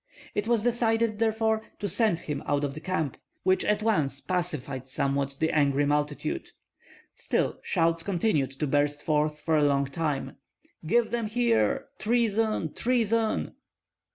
It was decided therefore to send him out of the camp, which at once pacified somewhat the angry multitude. Still shouts continued to burst forth for a long time, "Give them here! Treason, treason!"